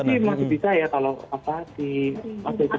ada sih masih bisa ya kalau apa di masjid kecil